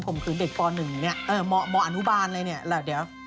ผมคือเด็กป่อ๑เนี่ยเหมาะอนุบาลอะไรเนี่ย